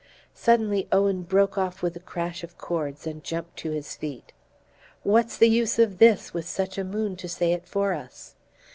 Suddenly Owen broke off with a crash of chords and jumped to his feet. "What's the use of this, with such a moon to say it for us?"